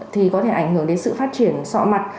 thì có thể ảnh hưởng đến sự phát triển sọ mặt